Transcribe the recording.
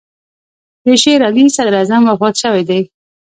د شېر علي صدراعظم وفات شوی دی.